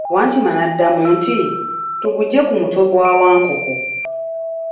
Wankima naddamu nti, tuguggye ku mutwe gwa Wankoko.